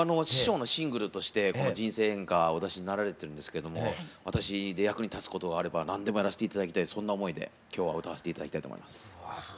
師匠のシングルとしてこの「人生援歌」お出しになられてるんですけども私で役に立つことがあれば何でもやらせていただきたいそんな思いで今日は歌わせていただきたいと思います。